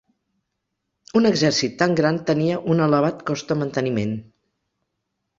Un exèrcit tan gran tenia un elevat cost de manteniment.